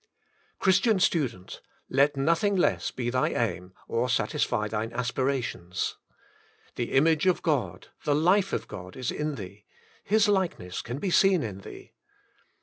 Christian student ! let nothing less be thy aim, or satisfy thine aspira tions. The image of God, the life of God is in thee. His likeness can be seen in thee.